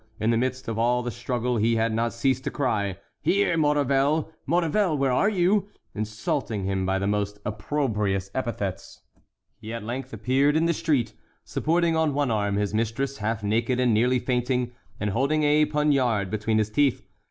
In the midst of all the struggle he had not ceased to cry, "Here, Maurevel!—Maurevel, where are you?" insulting him by the most opprobrious epithets. He at length appeared in the street, supporting on one arm his mistress, half naked and nearly fainting, and holding a poniard between his teeth.